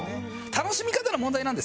楽しみ方の問題なんです。